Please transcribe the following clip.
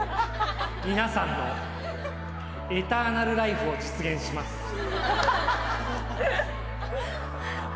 皆さんのエターナルライフを実現します。